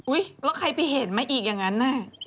อุ๊ยแล้วใครไปเห็นไหมอีกอย่างนั้น